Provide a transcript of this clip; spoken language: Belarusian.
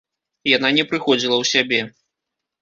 Яна не прыходзіла ў сябе.